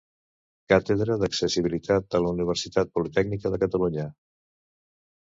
Càtedra d'Accessibilitat de la Universitat Politècnica de Catalunya.